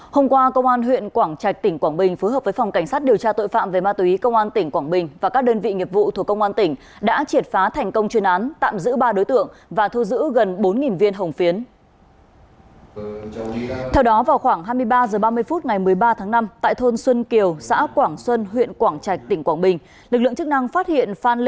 hôm qua công an huyện quảng trạch tỉnh quảng bình phối hợp với phòng cảnh sát điều tra tội phạm về ma túy công an tỉnh quảng bình và các đơn vị nghiệp vụ thuộc công an tỉnh đã triệt phá thành công chuyên án tạm giữ ba đối tượng và thu giữ gần bốn viên hồng phiến